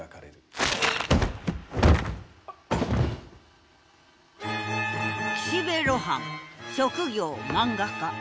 岸辺露伴職業漫画家。